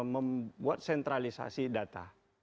membuat sentralisasi data